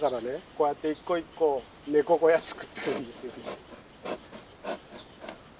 こうやって一個一個ネコ小屋作ってるんですよ。